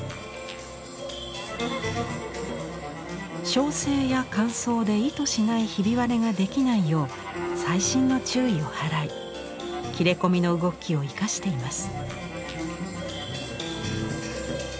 焼成や乾燥で意図しないひび割れができないよう細心の注意を払い切れ込みの動きを生かしています。